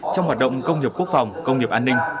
trong hoạt động công nghiệp quốc phòng công nghiệp an ninh